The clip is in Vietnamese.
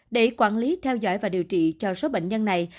để quản lý theo dõi và điều trị cho số bệnh nhân này